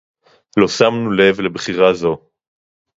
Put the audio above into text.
לֹא שַׂמְנוּ לֵב לִבְחִירָה זוֹ.